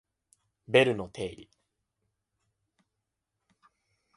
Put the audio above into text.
ベルの定理